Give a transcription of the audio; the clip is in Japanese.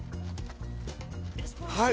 はい。